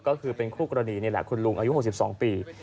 ก็คือเป็นคู่กรณีนี่แหละคุณลุงอายุ๖๒ปี